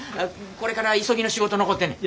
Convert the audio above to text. これから急ぎの仕事残ってんねん。